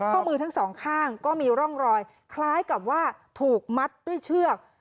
ข้อมือทั้งสองข้างก็มีร่องรอยคล้ายกับว่าถูกมัดด้วยเชือก